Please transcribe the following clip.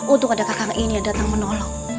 untuk ada kakak ini yang datang menolong